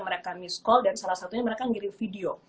mereka miss call dan salah satunya mereka ngirim video